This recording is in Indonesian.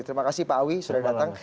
terima kasih pak awi sudah datang